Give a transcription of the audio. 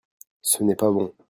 ce n'est pas bon.